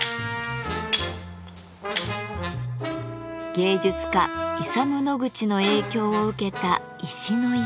芸術家イサム・ノグチの影響を受けた石の家も。